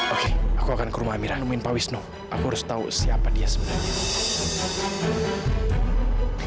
oke aku akan ke rumah amirah nemuin pak wisnu aku harus tahu siapa dia sebenarnya